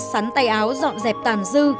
sắn tay áo dọn dẹp tàn dư